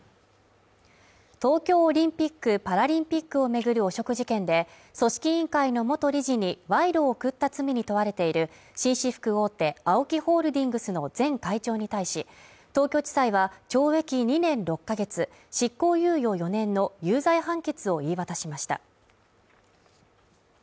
東京オリンピック・パラリンピックを巡る汚職事件で、組織委員会の元理事に賄賂を贈った罪に問われている紳士服大手ＡＯＫＩホールディングスの前会長に対し、東京地裁は懲役２年６か月執行猶予４年の有罪判決を言い渡しました。